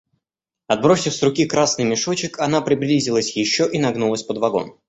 Отбросив с руки красный мешочек, она приблизилась еще и нагнулась под вагон.